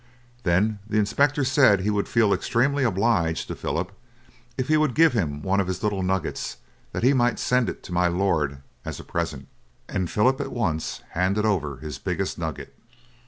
Then the inspector said he would feel extremely obliged to Philip if he would give him one of his little nuggets that he might send it to my lord as a present, and Philip at once handed over his biggest nugget.